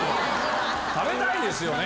食べたいですよね。